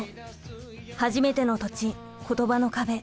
初めての土地言葉の壁。